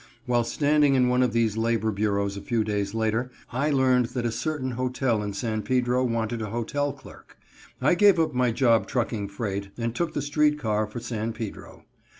While standing in one of these labor bureaus a few days later, I learned that a certain hotel in San Pedro wanted a hotel clerk. I gave up my job trucking freight and took the street car for San Pedro.